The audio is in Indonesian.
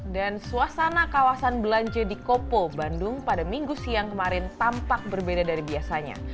dan suasana kawasan belanja di kopo bandung pada minggu siang kemarin tampak berbeda dari biasanya